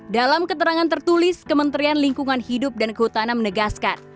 dalam keterangan tertulis kementerian lingkungan hidup dan kehutanan menegaskan